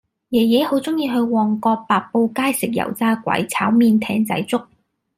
爺爺好鍾意去旺角白布街食油炸鬼炒麵艇仔粥